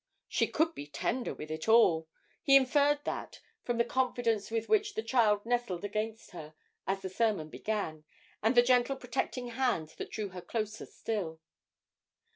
She could be tender with it all he inferred that from the confidence with which the child nestled against her as the sermon began, and the gentle protecting hand that drew her closer still.